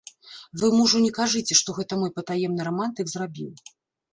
Вы мужу не кажыце, што гэта мой патаемны рамантык зрабіў.